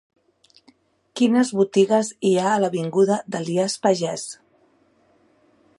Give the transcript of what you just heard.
Quines botigues hi ha a l'avinguda d'Elies Pagès?